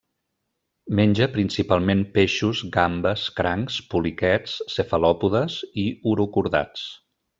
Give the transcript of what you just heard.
Menja principalment peixos, gambes, crancs, poliquets, cefalòpodes i urocordats.